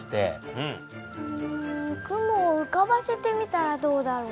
うん雲をうかばせてみたらどうだろう？